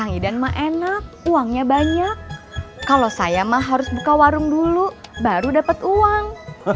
nenek enak uangnya banyak kalau saya mah harus buka warung dulu baru dapat uang